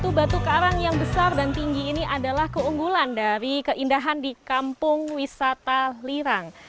batu batu karang yang besar dan tinggi ini adalah keunggulan dari keindahan di kampung wisata lirang